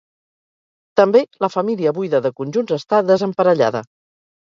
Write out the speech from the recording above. També la família buida de conjunts està desemparellada.